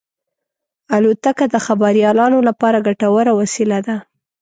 الوتکه د خبریالانو لپاره ګټوره وسیله ده.